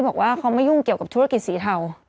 บอกว่าเขาไม่ยุ่งเกี่ยวกับธุรกิจสีเทา